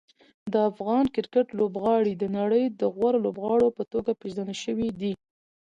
د افغان کرکټ لوبغاړي د نړۍ د غوره لوبغاړو په توګه پېژندل شوي دي.